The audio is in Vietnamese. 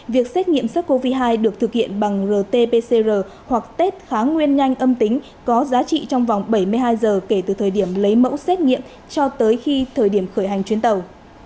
việc xét nghiệm sars cov hai được thực hiện bằng rt pcr hoặc tết khá nguyên nhanh âm tính có giá trị trong vòng bảy mươi hai giờ kể từ thời điểm lấy mẫu xét nghiệm cho tới khi thời điểm khởi hành chuyến tàu